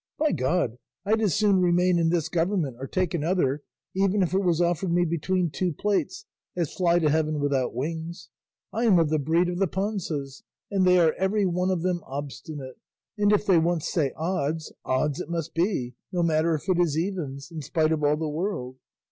By God I'd as soon remain in this government, or take another, even if it was offered me between two plates, as fly to heaven without wings. I am of the breed of the Panzas, and they are every one of them obstinate, and if they once say 'odds,' odds it must be, no matter if it is evens, in spite of all the world.